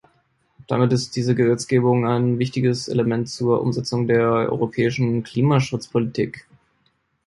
Damit ist diese Gesetzgebung ein wichtiges Element zur Umsetzung der europäischen Klimaschutzpolitik.